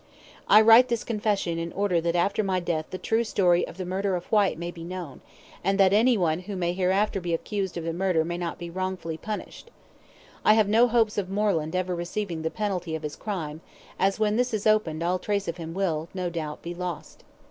I write this confession in order that after my death the true story of the murder of Whyte may be known, and that any one who may hereafter be accused of the murder may not be wrongfully punished. I have no hopes of Moreland ever receiving the penalty of his crime, as when this is opened all trace of him will, no doubt, be lost.